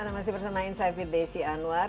anda masih bersama insight with desi anwar